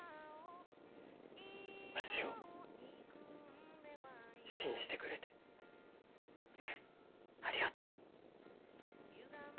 わしを信じてくれてありがとう。